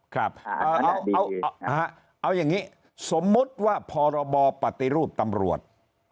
ครับเอาอย่างนี้สมมุติว่าพรบปฏิรูปตำรวจ